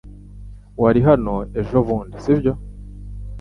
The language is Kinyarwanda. Wari hano ejobundi, si byo?